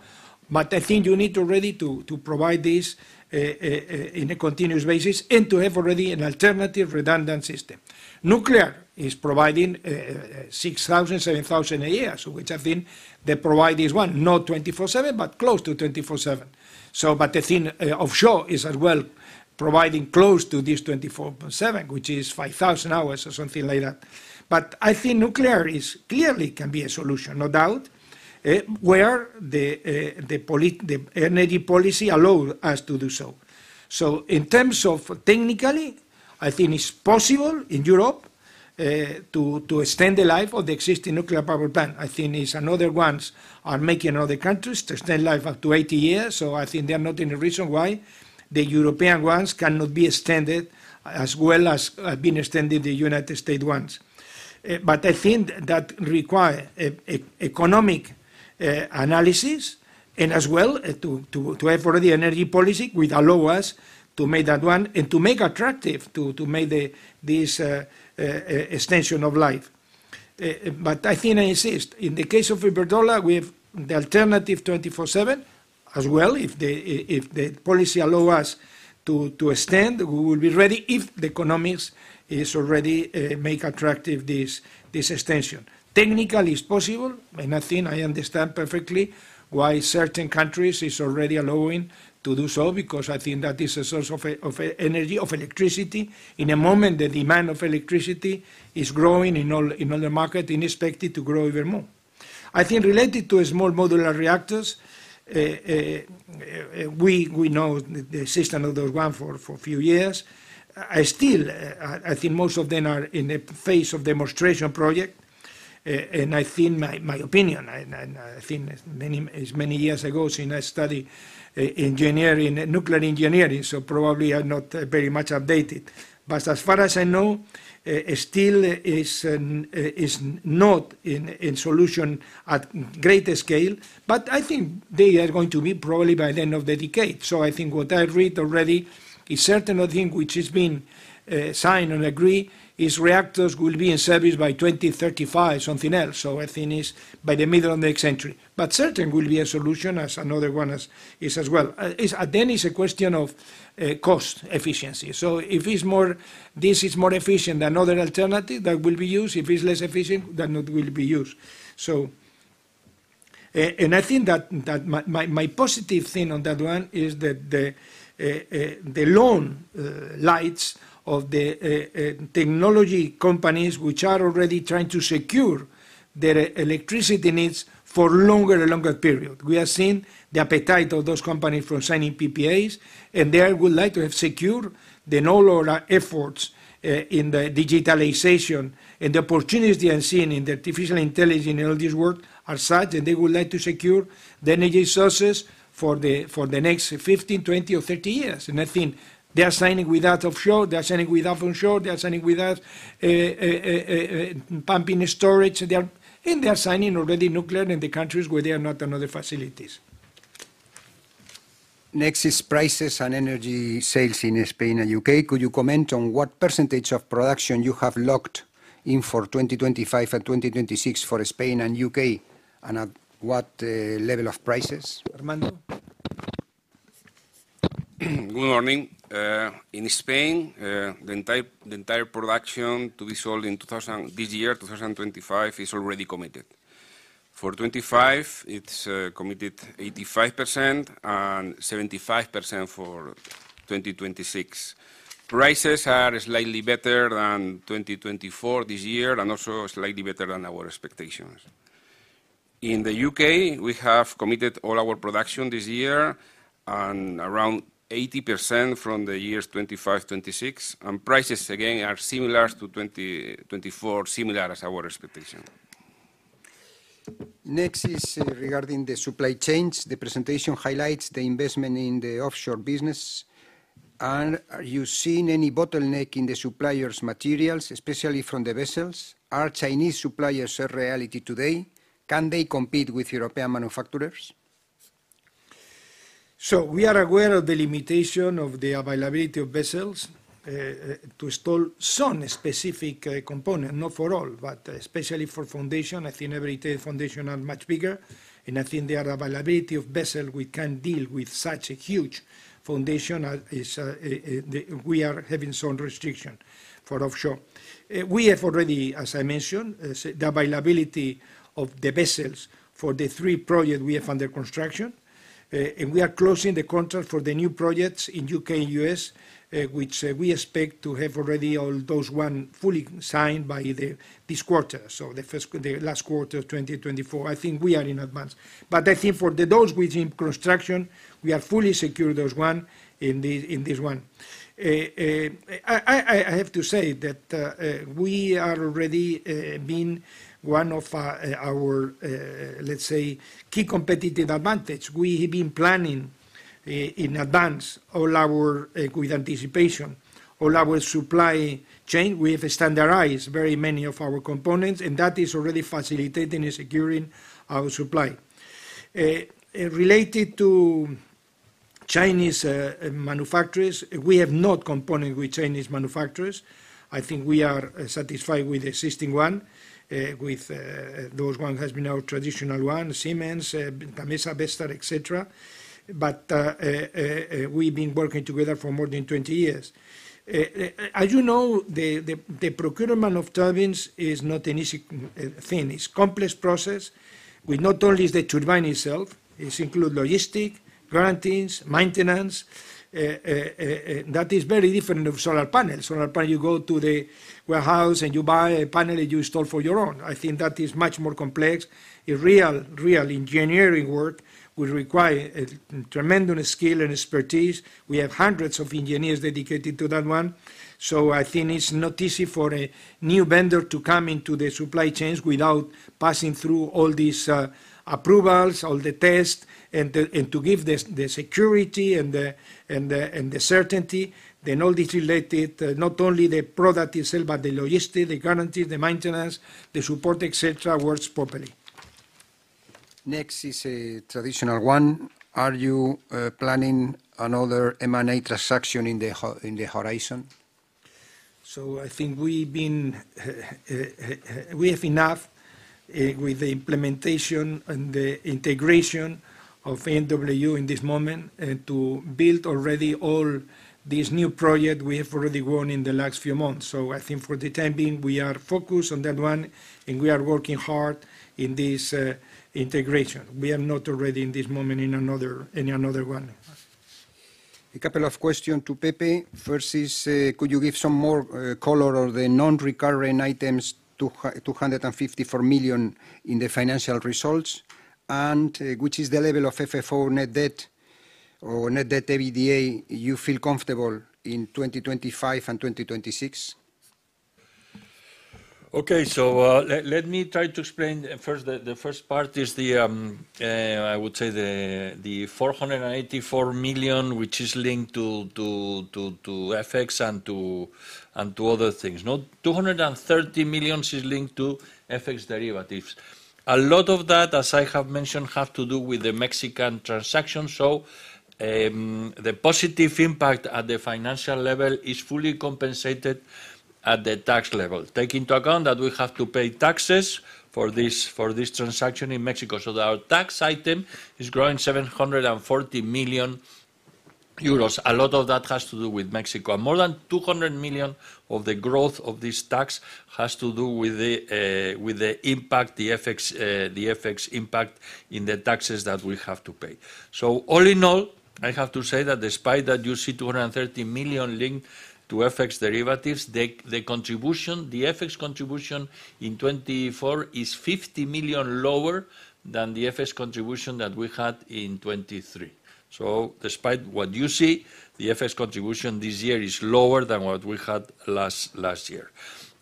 But I think you need already to provide this in a continuous basis and to have already an alternative redundant system. Nuclear is providing six thousand, seven thousand a year. So which I think they provide this one, not 24/7, but close to 24/7. So but the thing, offshore is as well, providing close to this 24.7, which is 5,000 hours or something like that. But I think nuclear is clearly can be a solution, no doubt, where the, the energy policy allow us to do so. So in terms of technically, I think it's possible in Europe, to, to extend the life of the existing nuclear power plant. I think it's another ones are making other countries to extend life up to 80 years. So I think there are not any reason why the European ones cannot be extended, as well as, being extended the United States ones. But I think that require a economic analysis and as well to have already energy policy, which allow us to make that one, and to make attractive to make this extension of life. But I think, I insist, in the case of Iberdrola, we have the alternative 24/7 as well. If the policy allow us to extend, we will be ready, if the economics is already make attractive this extension. Technically, it's possible, and I think I understand perfectly why certain countries is already allowing to do so, because I think that is a source of energy of electricity. In a moment, the demand of electricity is growing in all other market, and expected to grow even more. I think related to small modular reactors, we know the system of those one for a few years. Still, I think most of them are in a phase of demonstration project. And I think my opinion, and I think many as many years ago, so I study engineering, nuclear engineering, so probably I'm not very much updated. But as far as I know, still is not in solution at greater scale, but I think they are going to be probably by the end of the decade. So I think what I read already is certain, I think, which has been signed and agreed, is reactors will be in service by 2035, something else, so I think it's by the middle of the next century. But certain will be a solution as another one as is as well. Is then a question of cost efficiency, so if it's more efficient than other alternative, that will be used. If it's less efficient, then not will be used, and I think that my positive thing on that one is that the leading lights of the technology companies which are already trying to secure their electricity needs for longer and longer period. We have seen the appetite of those companies for signing PPAs, and they would like to have secure then all our efforts in the digitalization and the opportunities they are seeing in the artificial intelligence and all this work are such, and they would like to secure the energy sources for the next 15, 20, or 30 years. I think they are signing with onshore, they are signing with offshore, they are signing with pumped storage. They are signing already nuclear in the countries where they are no other facilities. Next is prices and energy sales in Spain and U.K. Could you comment on what percentage of production you have locked in for 2025 and 2026 for Spain and U.K., and at what level of prices? Armando? Good morning. In Spain, the entire production to be sold in 2025 is already committed. For 2025, it's committed 85% and 75% for 2026. Prices are slightly better than 2024, this year, and also slightly better than our expectations. In the UK, we have committed all our production this year and around 80% from the years 2025, 2026, and prices, again, are similar to 2024, similar as our expectation. Next is, regarding the supply chains. The presentation highlights the investment in the offshore business. Are you seeing any bottleneck in the suppliers' materials, especially from the vessels? Are Chinese suppliers a reality today? Can they compete with European manufacturers? So we are aware of the limitation of the availability of vessels to install some specific component, not for all, but especially for foundation. I think every foundation are much bigger, and I think the availability of vessel we can deal with such a huge foundation is the we are having some restriction for offshore. We have already, as I mentioned, say, the availability of the vessels for the three project we have under construction, and we are closing the contract for the new projects in UK and US, which we expect to have already all those one fully signed by the this quarter, so the first the last quarter of 2024. I think we are in advance. But I think for the those within construction, we have fully secured those one in this, in this one. I have to say that we are already being one of our, let's say, key competitive advantage. We have been planning in advance all our, with anticipation, all our supply chain. We have standardized very many of our components, and that is already facilitating and securing our supply. Related to Chinese manufacturers, we have not component with Chinese manufacturers. I think we are satisfied with the existing one, with those one has been our traditional one, Siemens, Gamesa, Vestas, et cetera. But we've been working together for more than 20 years. As you know, the procurement of turbines is not an easy thing. It's a complex process, with not only is the turbine itself, it's include logistics, guarantees, maintenance, that is very different of solar panels. Solar panel, you go to the warehouse, and you buy a panel, and you install for your own. I think that is much more complex. A real engineering work will require a tremendous skill and expertise. We have hundreds of engineers dedicated to that one. So I think it's not easy for a new vendor to come into the supply chains without passing through all these approvals, all the tests, and to give the security and the certainty, then all this related, not only the product itself, but the logistics, the guarantee, the maintenance, the support, et cetera, works properly. Next is a traditional one. Are you planning another M&A transaction in the horizon? I think we have enough with the implementation and the integration of ENW in this moment to build already all these new project we have already won in the last few months. I think for the time being, we are focused on that one, and we are working hard in this integration. We are not already, in this moment, in another one. A couple of questions to Pepe. First is, could you give some more color on the non-recurring items, 254 million in the financial results? And which is the level of FFO net debt or net debt EBITDA you feel comfortable in 2025 and 2026? Okay, so let me try to explain. First, the first part is the, I would say the 484 million, which is linked to FX and to other things, no? 230 million is linked to FX derivatives. A lot of that, as I have mentioned, has to do with the Mexican transaction. So the positive impact at the financial level is fully compensated at the tax level. Take into account that we have to pay taxes for this transaction in Mexico. So our tax item is growing 740 million euros. A lot of that has to do with Mexico. More than 200 million of the growth of this tax has to do with the impact, the FX impact in the taxes that we have to pay. All in all, I have to say that despite that, you see 230 million linked to FX derivatives, the contribution, the FX contribution in 2024 is 50 million lower than the FX contribution that we had in 2023. Despite what you see, the FX contribution this year is lower than what we had last year.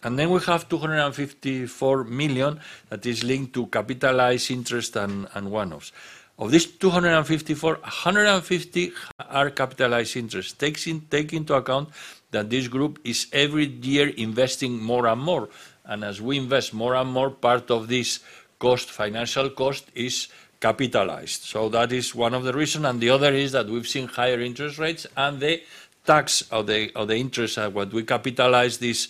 Then we have 254 million that is linked to capitalized interest and one-offs. Of this 254, 150 are capitalized interest. Take into account that this group is every year investing more and more, and as we invest more and more, part of this cost, financial cost is capitalized. So that is one of the reason, and the other is that we've seen higher interest rates, and the tax of the interest of what we capitalize, this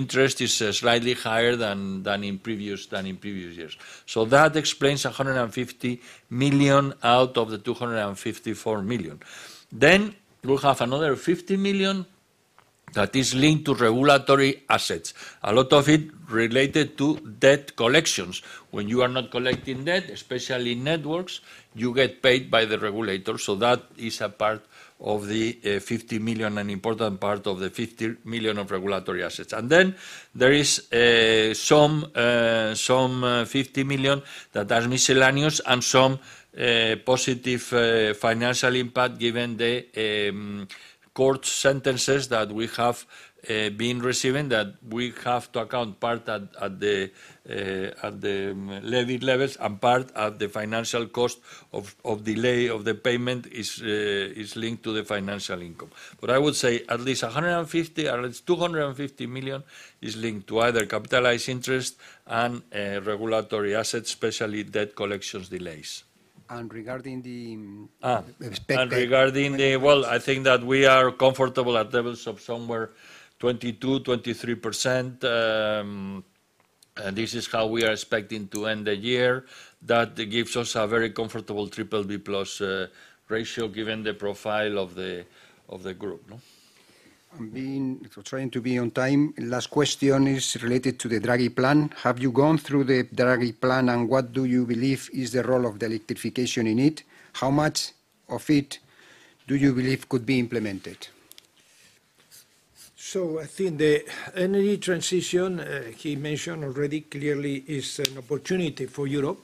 interest is slightly higher than in previous years. So that explains 150 million out of the 254 million. Then we'll have another 50 million that is linked to regulatory assets, a lot of it related to debt collections. When you are not collecting debt, especially networks, you get paid by the regulator, so that is a part of the 50 million, an important part of the 50 million of regulatory assets. And then there is some fifty million that are miscellaneous and some positive financial impact, given the court sentences that we have been receiving, that we have to account part at the levels and part at the financial cost of delay of the payment is linked to the financial income. But I would say at least a hundred and fifty, at least two hundred and fifty million is linked to either capitalized interest and regulatory assets, especially debt collections delays. Regarding the- Ah. Expected- I think that we are comfortable at levels of somewhere 22%-23%. This is how we are expecting to end the year. That gives us a very comfortable triple B plus ratio, given the profile of the group, no? I'm trying to be on time. Last question is related to the Draghi plan. Have you gone through the Draghi plan, and what do you believe is the role of the electrification in it? How much of it do you believe could be implemented? So I think the energy transition, he mentioned already, clearly is an opportunity for Europe.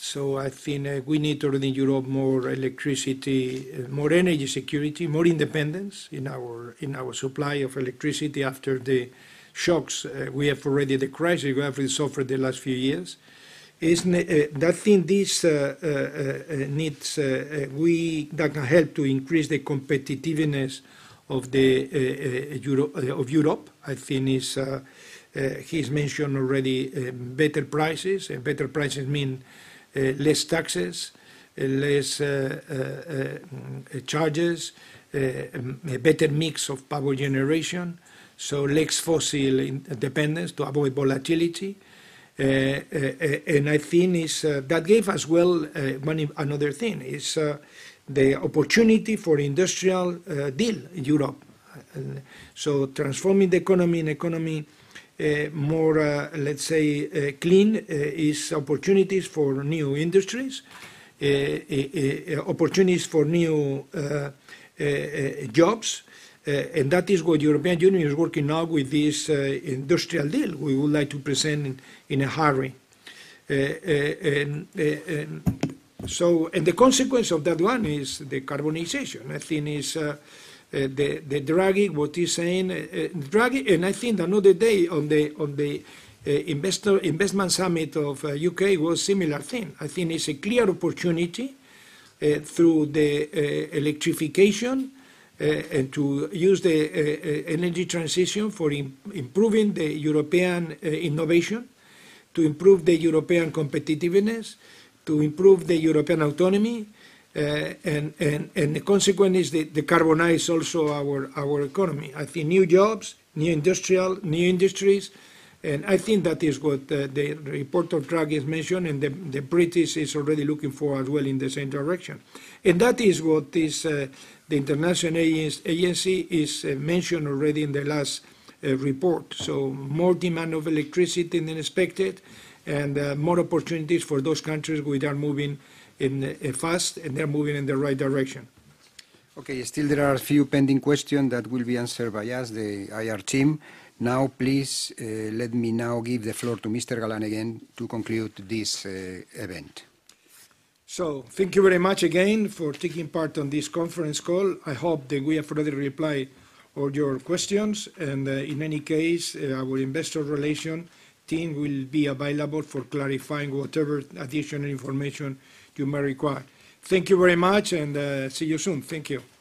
So I think we need to bring Europe more electricity, more energy security, more independence in our supply of electricity after the shocks we have already, the crisis we have suffered the last few years. I think these needs that can help to increase the competitiveness of Europe. I think is, he's mentioned already, better prices, and better prices mean less taxes, less charges, a better mix of power generation, so less fossil dependence to avoid volatility. And I think is that gave as well many another thing is the opportunity for Clean Industrial Deal in Europe. So transforming the economy, an economy more, let's say, clean is opportunities for new industries, opportunities for new jobs. And that is what European Union is working now with this industrial deal we would like to present in a hurry. And the consequence of that one is the decarbonization. I think is the Draghi what he's saying, Draghi, and I think another day on the investor investment summit of UK was similar thing. I think it's a clear opportunity through the electrification and to use the energy transition for improving the European innovation, to improve the European competitiveness, to improve the European autonomy. The consequence is the decarbonize also our economy. I think new jobs, new industrial, new industries, and I think that is what the report of Draghi has mentioned, and the British is already looking for as well in the same direction. That is what the International Energy Agency is mentioned already in the last report. So more demand of electricity than expected, and more opportunities for those countries which are moving in fast, and they're moving in the right direction. Okay, still there are a few pending question that will be answered by us, the IR team. Now, please, let me now give the floor to Mr. Galán again to conclude this, event. Thank you very much again for taking part on this conference call. I hope that we have further replied all your questions, and, in any case, our investor relation team will be available for clarifying whatever additional information you may require. Thank you very much, and, see you soon. Thank you.